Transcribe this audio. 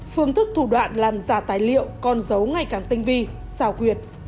phương thức thủ đoạn làm giả tài liệu còn giấu ngày càng tinh vi xào quyệt